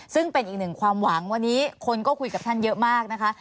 ซึ่งเป็นอีกหนึ่งความหวังวันนี้คนก็คุยกับท่านเยอะมากนะคะ